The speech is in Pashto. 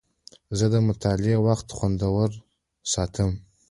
زه د مطالعې وخت خوندور ساتم.